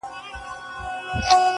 چي بيزو او بيزو وان پر راښكاره سول-